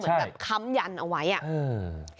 เหมือนแบบค้ำยันเอาไว้อ่ะอืม